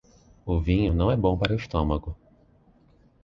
O vinho não é bom para o estômago.